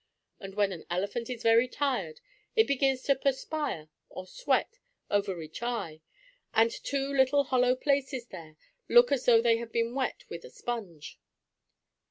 And when an elephant is very tired it begins to perspire, or "sweat," over each eye, and two little hollow places there look as though they had been wet with a sponge.